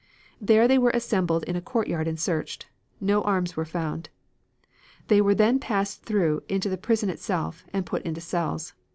There they were assembled in a courtyard and searched. No arms were found. They were then passed through into the prison itself and put into cells.